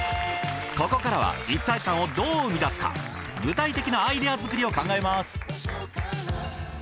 ここからは一体感をどう生み出すか具体的なアイデア作りを考えます。